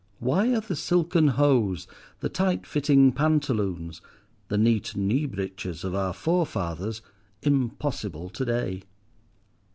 Why are the silken hose, the tight fitting pantaloons, the neat kneebreeches of our forefathers impossible to day?